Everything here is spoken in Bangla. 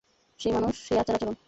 সেই মানুষ, সেই আচার-আচরণ।